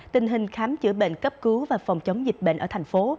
tình hình khám chữa bệnh cấp cứu và phòng chống dịch bệnh ở thành phố